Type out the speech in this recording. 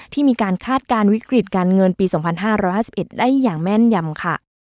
ที่มีการคาดการณ์วิกฤตการเงินปี๒๕๕๑ได้อย่างแม่นยำค่ะ